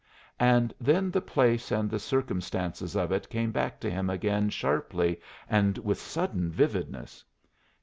And then the place and the circumstances of it came back to him again sharply and with sudden vividness.